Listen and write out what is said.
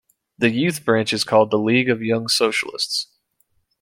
The youth branch is called the League of Young Socialists.